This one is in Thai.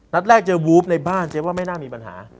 นัดแรกเจอวูบในบ้านเจ๊ว่าไม่น่ามีปัญหา